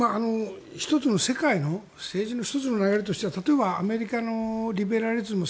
１つの世界の政治の１つの流れとしては例えばアメリカのリベラリズム